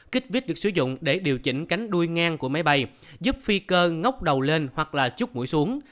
kích vít được sử dụng để điều chỉnh cánh đuôi ngang của máy bay giúp phi cơ ngốc đầu lên hoặc là chút mũi xuống